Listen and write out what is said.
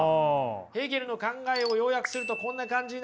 ヘーゲルの考えを要約するとこんな感じになります。